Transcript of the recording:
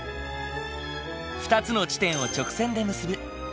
２つの地点を直線で結ぶ。